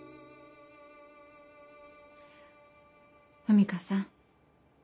文香さん。